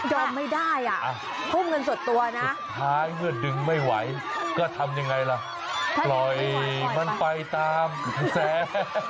ยอมไม่ได้อ่ะทุ่มเงินสดตัวนะท้ายเมื่อดึงไม่ไหวก็ทำยังไงล่ะปล่อยมันไปตามกระแส